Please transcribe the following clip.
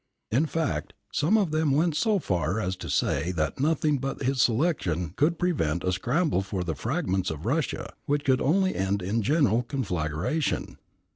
In fact, some of them went so far as to say that nothing but his selection could prevent a scramble for the fragments of Russia which could only end in general conflagration."